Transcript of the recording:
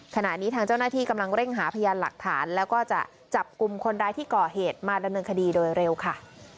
ขณะนี้ทางเจ้าหน้าที่กำลังเร่งหาพยานหลักฐานแล้วก็จะจับกลุ่มคนร้ายที่ก่อเหตุมาดำเนินคดีโดยเร็วค่ะ